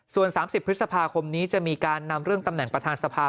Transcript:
ส่วน๓๐พฤษภาคมนี้จะมีการนำเรื่องตำแหน่งประธานสภา